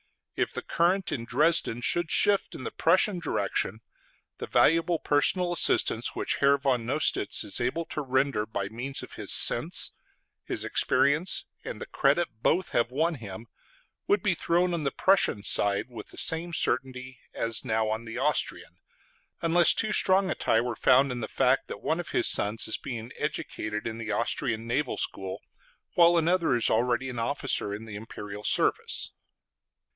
If the current in Dresden should shift in the Prussian direction, the valuable personal assistance which Herr von Nostitz is able to render by means of his sense, his experience, and the credit both have won him, would be thrown on the Prussian side with the same certainty as now on the Austrian, unless too strong a tie were found in the fact that one of his sons is being educated in the Austrian Naval School, while another is already an officer in the imperial service.